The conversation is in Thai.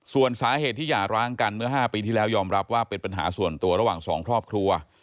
ส่วนสาเหตุที่หย่าร้างกันเมื่อ๕ปีที่แล้วยอมรับว่าเป็นปัญหาส่วนตัวระหว่างสองครอบครัว